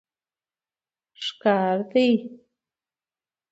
ښکار دي